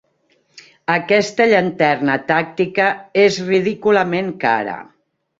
Aquesta llanterna tàctica és ridículament cara.